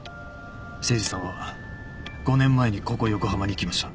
誠司さんは５年前にここ横浜に来ました。